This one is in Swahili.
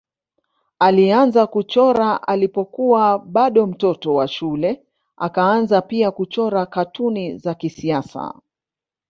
Alianza kuchora alipokuwa bado mtoto wa shule akaanza pia kuchora katuni za kisiasa.